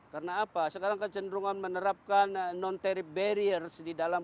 karena apa sekarang kecenderungan menerapkan non teri barriers di dalam